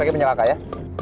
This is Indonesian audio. pakai punya kakak ya